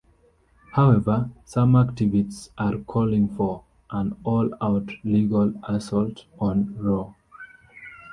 However, some activists are calling for "an all-out legal assault on "Roe.